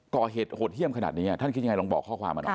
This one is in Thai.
โหดเยี่ยมขนาดนี้ท่านคิดยังไงลองบอกข้อความมาหน่อย